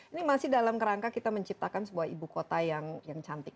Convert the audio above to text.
ini masih dalam kerangka kita menciptakan sebuah ibu kota yang cantik